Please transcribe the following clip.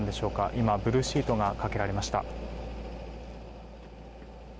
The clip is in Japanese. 今、ブルーシートがかけられました。